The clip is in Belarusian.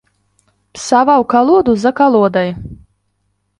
Псаваў калоду за калодай.